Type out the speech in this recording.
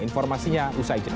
informasinya usai cerita